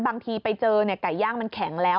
บางทีไปเจอไก่ย่างมันแข็งแล้ว